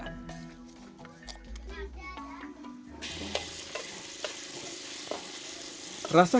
rasa hewan laut ini sujarah